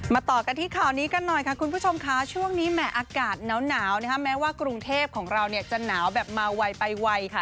ต่อกันที่ข่าวนี้กันหน่อยค่ะคุณผู้ชมค่ะช่วงนี้แหม่อากาศหนาวนะคะแม้ว่ากรุงเทพของเราจะหนาวแบบมาไวไปไวค่ะ